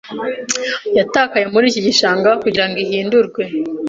yatakaye muri iki gishanga kugirango ihindurwe